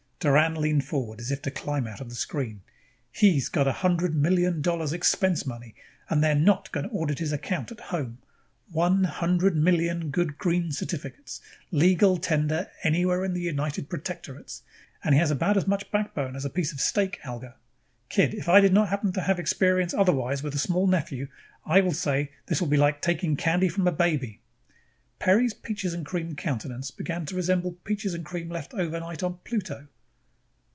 Doran leaned forward as if to climb out of the screen. "He has got a hundred million dollars expense money, and they are not going to audit his accounts at home. One hundred million good green certificates, legal tender anywhere in the United Protectorates. And he has about as much backbone as a piece of steak alga. Kid, if I did not happen to have experience otherwise with a small nephew, I would say this will be like taking candy from a baby." Peri's peaches and cream countenance began to resemble peaches and cream left overnight on Pluto.